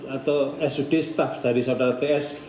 atau sud staff dari saudara ts